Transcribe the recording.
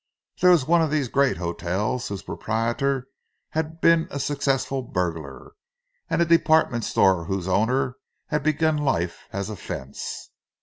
There was one of these great hotels whose proprietor had been a successful burglar; and a department store whose owner had begun life as a "fence."